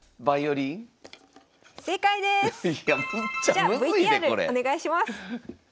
じゃあＶＴＲお願いします！